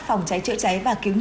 phòng cháy trợ cháy